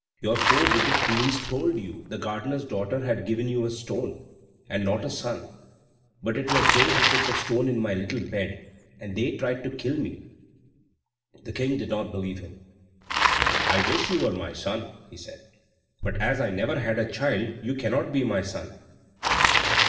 "Your four wicked Queens told you the gardener's daughter had given you a stone and not a son; but it was they who put the stone in my little bed, and then they tried to kill me." The King did not believe him. "I wish you were my son," he said; "but as I never had a child, you cannot be my son."